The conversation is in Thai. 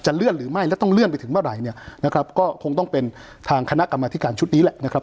เลื่อนหรือไม่และต้องเลื่อนไปถึงเมื่อไหร่เนี่ยนะครับก็คงต้องเป็นทางคณะกรรมธิการชุดนี้แหละนะครับ